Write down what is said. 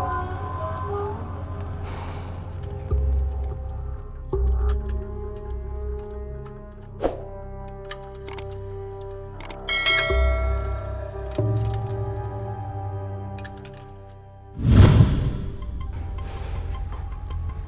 sampai jumpa kembali